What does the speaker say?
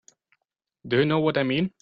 Do you know what I mean?